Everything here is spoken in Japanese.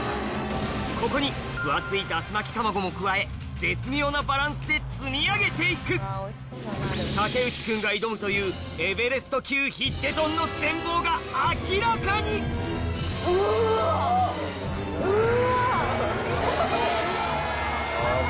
ここに分厚いだし巻き卵も加え絶妙なバランスで積み上げて行く竹内君が挑むというエベレスト級明らかにうわ！